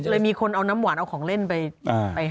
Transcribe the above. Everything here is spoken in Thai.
มีคนเอาน้ำหวานเอาของเล่นไป